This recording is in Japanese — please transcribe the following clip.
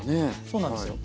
そうなんですよ。